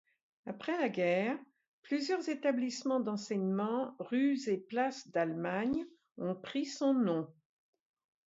Après la guerre, plusieurs établissements d'enseignement, rues et places d’Allemagne ont pris son nom.